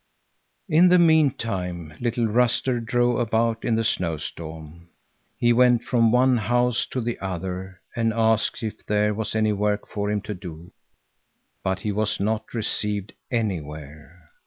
In the meantime little Ruster drove about in the snowstorm. He went from one house to the other and asked if there was any work for him to do, but he was not received anywhere.